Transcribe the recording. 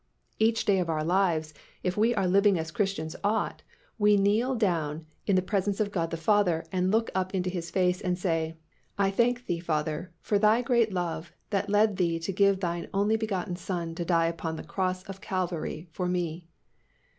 Each day of our lives, if we are living as Christians ought, we kneel down in the presence of God the Father and look up into His face and say, "I thank Thee, Father, for Thy great love that led Thee to give Thine only begotten Son to die upon the cross of Calvary for me."